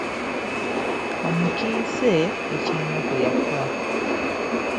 Omukiise eky'ennaku yafa.